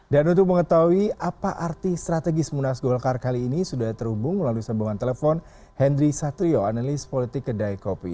dan untuk mengetahui apa arti strategis munas golkar kali ini sudah terhubung melalui sambungan telepon hendry satrio analis politik kedai kopi